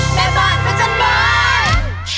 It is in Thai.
แม่บ้านพระจันทร์บ้าน